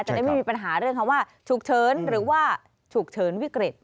ไม่มีปัญหาเรื่องคำว่าฉุกเฉินหรือว่าฉุกเฉินวิกฤต